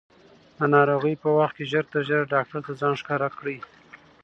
د ناروغۍ په وخت کې ژر تر ژره ډاکټر ته ځان ښکاره کړئ.